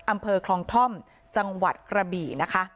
อำเภอคลองท่อมจังหวัดกระบี่นะคะ